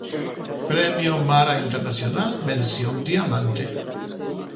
Premio Mara Internacional, mención diamante.